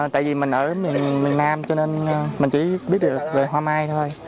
tại vì mình ở miền nam cho nên mình chỉ biết được về hoa mai thôi